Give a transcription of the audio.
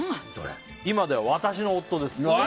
今では私の夫です。